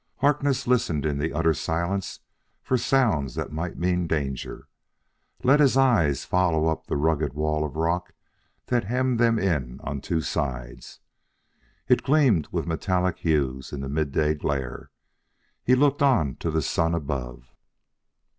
Harkness, listening in the utter silence for sounds that might mean danger, let his eyes follow up the rugged wall of rock that hemmed them in on two sides. It gleamed with metallic hues in the midday glare. He looked on to the sun above.